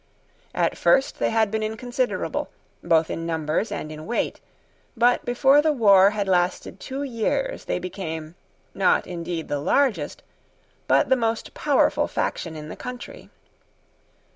At first they had been inconsiderable, both in numbers and in weight; but before the war had lasted two years they became, not indeed the largest, but the most powerful faction in the country.